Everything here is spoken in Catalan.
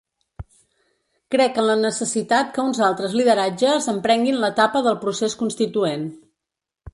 Crec en la necessitat que uns altres lideratges emprenguin l’etapa del procés constituent.